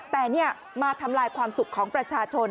แต่มาทำลายความสุขของประชาชน